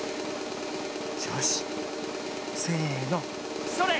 よしせのそれ！